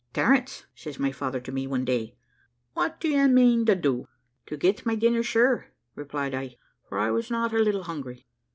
`Terence,' says my father to me one day, `what do you mane to do?' `To get my dinner, sure,' replied I, for I was not a little hungry.